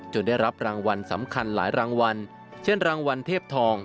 ได้รับรางวัลสำคัญหลายรางวัลเช่นรางวัลเทพทอง